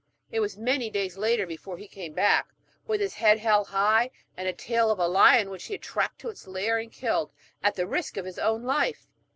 It was many days later before he came back, with his head held high, and a tale of a lion which he had tracked to its lair and killed, at the risk of his own life.